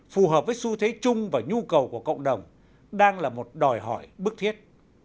phù hợp với xu thế chung và nhu cầu của cộng đồng đang là một đòi hỏi bức thiết